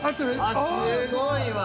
すごいわ！